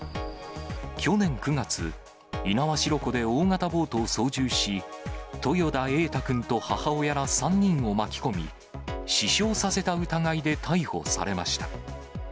去年９月、猪苗代湖で大型ボートを操縦し、豊田瑛大君と母親ら３人を巻き込み、死傷させた疑いで逮捕されました。